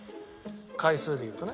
回数で言うとね。